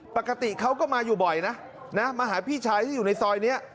ปกติเขาก็มาอยู่บ่อยนะมาหาพี่ชายที่อยู่ในซอยนี้